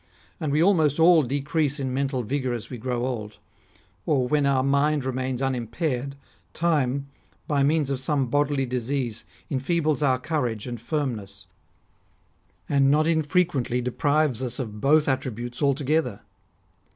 And we almost all decrease in mental vigour as we grow old ; or when our mind remains unimpaired, time, by means of some bodily disease, enfeebles our courage and firmness, and not infrequently deprives us of both attri butes altogether.